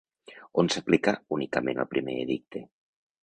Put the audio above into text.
On s'aplicà únicament el primer edicte?